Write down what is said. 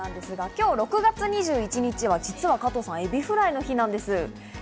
今日６月２１日は実は加藤さん、エビフライの日なんです。